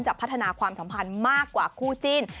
พัฒนาความสัมพันธ์มากกว่าคู่จิ้น